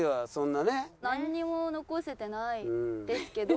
なんにも残せてないですけど。